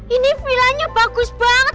ini villanya bagus banget